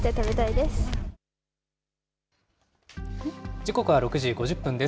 時刻は６時５０分です。